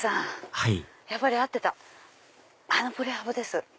はいやっぱり合ってたあのプレハブです。